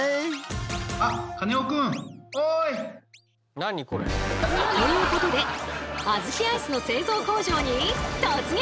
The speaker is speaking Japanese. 何これ？ということであずきアイスの製造工場に突撃！